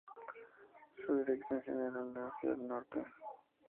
Su dirección general es hacia el norte.